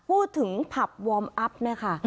พูดถึงพับวอร์มอัพนะคะ